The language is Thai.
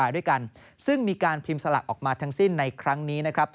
ด้วยกันซึ่งมีการพิมพ์สลากออกมาทั้งสิ้นในครั้งนี้นะครับ